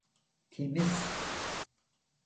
Temiz…